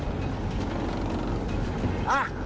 あっ！